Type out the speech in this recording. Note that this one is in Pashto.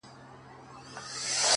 نن شپه د ټول كور چوكيداره يمه،